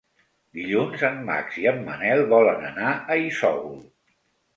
Dilluns en Max i en Manel volen anar a Isòvol.